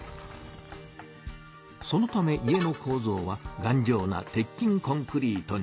そのため家のこうぞうはがんじょうな鉄筋コンクリートに。